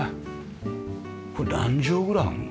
これ何畳ぐらいあるの？